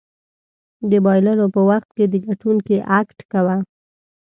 د بایللو په وخت کې د ګټونکي اکټ کوه.